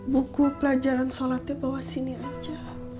buku pelajaran sholatnya bawa sini aja